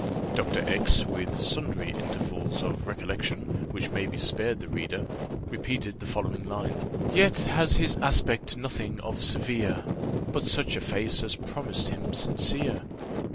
Doctor X , with sundry intervals of recollection, which may be spared the reader, repeated the following lines: "Yet has his aspect nothing of severe, But such a face as promised him sincere.